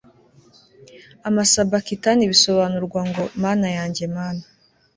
ama sabakitani bisobanurwa ngo mana yanjye mana